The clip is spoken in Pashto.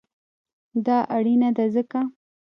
دا اړینه ده ځکه: